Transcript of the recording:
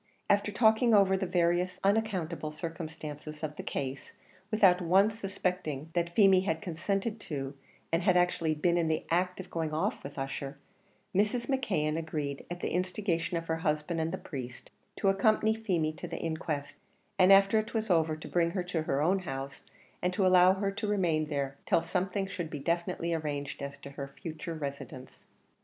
After talking over the various unaccountable circumstances of the case, without once suspecting that Feemy had consented to and had actually been in the act of going off with Ussher, Mrs. McKeon agreed, at the instigation of her husband and the priest, to accompany Feemy to the inquest, and after it was over to bring her to her own house, and to allow her to remain there till something should be definitely arranged as to her future residence.